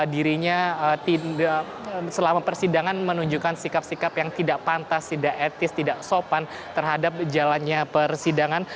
dirinya selama persidangan menunjukkan sikap sikap yang tidak pantas tidak etis tidak sopan terhadap jalannya persidangan